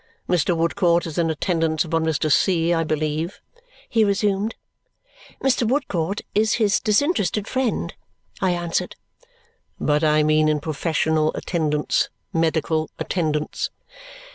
"Mr. Woodcourt is in attendance upon Mr. C., I believe?" he resumed. "Mr. Woodcourt is his disinterested friend," I answered. "But I mean in professional attendance, medical attendance."